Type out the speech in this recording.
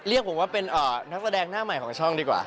เรียกผมว่าเป็นนักแสดงหน้าใหม่ของช่องดีกว่า